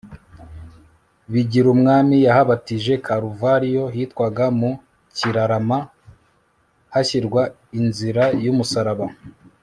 bigirumwami, yahabatije karuvariyo hitwaga mu kirarama, hashyirwa inzira y'umusaraba